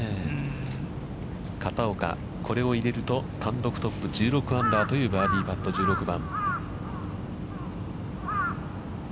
片岡、これを入れると、単独トップ、１６アンダー、バーディーパット、１６番。